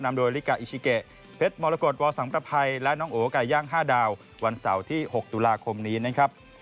โดยลิกาอิชิเกะเพชรมรกฏวอสังประภัยและน้องโอ๋ไก่ย่าง๕ดาววันเสาร์ที่๖ตุลาคมนี้นะครับ